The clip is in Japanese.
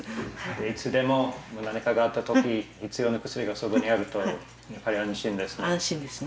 いつでも何かがあった時必要な薬がそばにあるとやっぱり安心ですね。